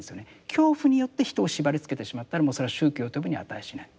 恐怖によって人を縛りつけてしまったらもうそれは宗教と呼ぶに値しない。